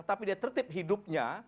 tapi dia tertip hidupnya